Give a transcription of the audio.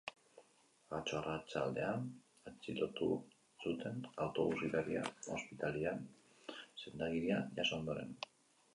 Atzo arratsaldean atxilotu zuten autobus-gidaria, ospitalean sendagiria jaso ondoren.